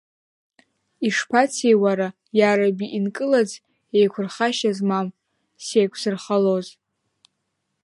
Ишԥацеи, уара, иараби, инкылаӡ еиқәырхашьа змам, сеиқәзырхалоз!